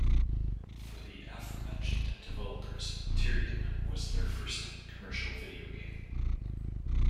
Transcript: For the aforementioned developers, "Tyrian" was their first commercial video game.